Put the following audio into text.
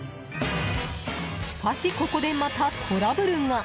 しかし、ここでまたトラブルが。